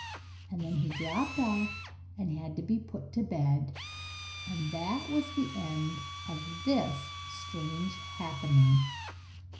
And then he dropped off and had to be put to bed; and that was the end of this strange happening.